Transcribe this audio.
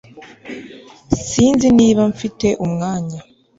Sinzi niba mfite umwanya